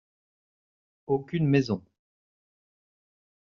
Aucune maison.